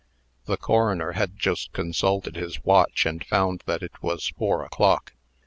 The coroner had just consulted his watch, and found that it was four o'clock.